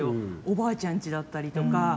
おばあちゃんちだったりとか